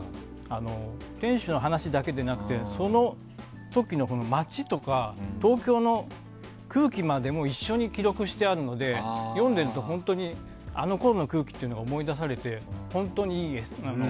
店主の話だけでなくてその時の街とか東京の空気までも一緒に記録してあるので読んでいると、本当にあのころの空気が思い出されて本当にいいです。